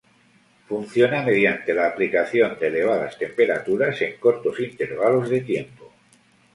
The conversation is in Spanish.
Funciona mediante la aplicación de elevadas temperaturas en cortos intervalos de tiempo.